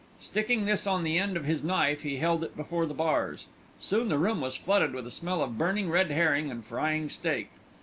Sticking this on the end of his knife he held it before the bars. Soon the room was flooded with a smell of burning red herring and frying steak.